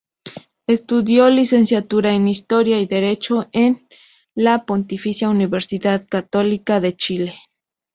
Estudió licenciatura en Historia y Derecho en la Pontificia Universidad Católica de Chile.